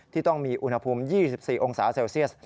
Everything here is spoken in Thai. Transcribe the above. ที่ต้องมีอุณหภูมิ๒๔องศาเซลเซียส